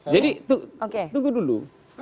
jadi tunggu dulu